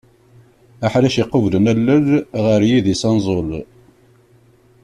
Aḥric iqublen allel ɣer yidis anẓul.